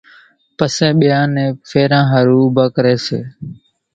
پسيَ ٻيئان نين ڦيران ۿارُو اُوڀان ڪريَ سي۔